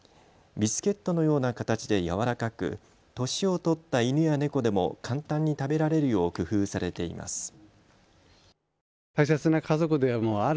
ビスケットのような形で柔らかく、年を取った犬や猫でも簡単に食べられるよう工夫されています。